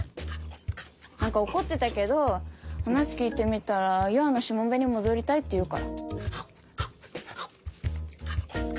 なんか怒ってたけど話聞いてみたらゆあのしもべに戻りたいっていうから。